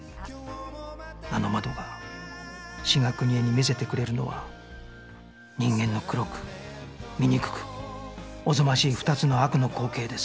あの窓が志賀邦枝に見せてくれるのは人間の黒く醜くおぞましい２つの悪の光景です